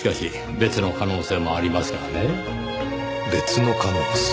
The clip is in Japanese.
別の可能性？